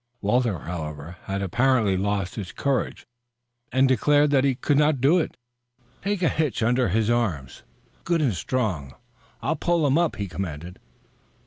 Walter, however, had apparently lost his courage and declared that he could not do it. "Take a hitch under his arms, good and strong. I'll pull him up," he commanded.